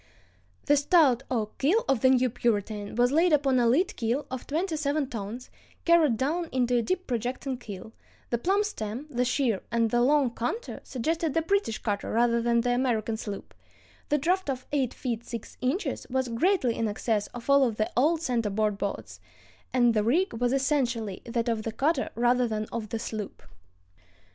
"The stout oak keel of the new Puritan was laid upon a lead keel of twenty seven tons, carried down into a deep projecting keel; the plumb stem, the sheer, and the long counter suggested the British cutter rather than the American sloop; the draft of eight feet six inches was greatly in excess of all of the old center board boats, and the rig was essentially that of the cutter rather than of the sloop."